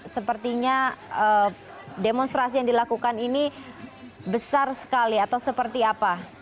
sepertinya demonstrasi yang dilakukan ini besar sekali atau seperti apa